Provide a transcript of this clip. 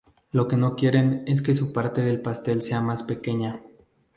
Lo que no quieren es que su parte del pastel sea más pequeña.